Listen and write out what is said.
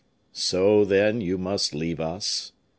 "So, then, you must leave us?"